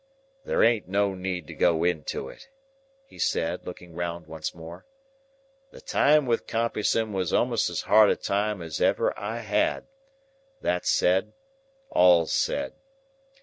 "There ain't no need to go into it," he said, looking round once more. "The time wi' Compeyson was a'most as hard a time as ever I had; that said, all's said.